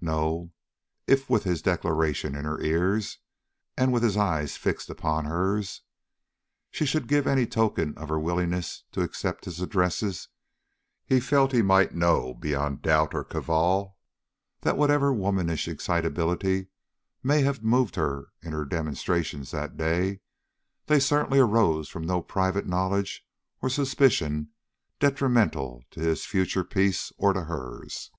No; if with his declaration in her ears, and with his eyes fixed upon hers, she should give any token of her willingness to accept his addresses, he felt he might know, beyond doubt or cavil, that whatever womanish excitability may have moved her in her demonstrations that day, they certainly arose from no private knowledge or suspicion detrimental to his future peace or to hers.